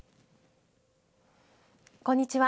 こんにちは。